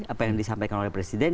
apa yang disampaikan oleh presiden